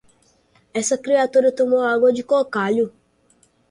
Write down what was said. essa criatura tomou água de chocalho